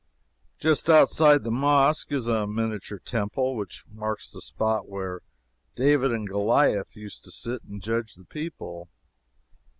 Just outside the mosque is a miniature temple, which marks the spot where David and Goliah used to sit and judge the people.